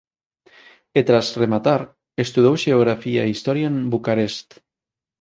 E tras rematar estudou xeografía e historia en Bucarest.